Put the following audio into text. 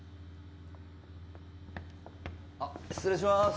あ失礼しまーす！